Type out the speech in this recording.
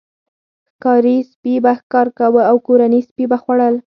ښکاري سپي به ښکار کاوه او کورني سپي به خوړل.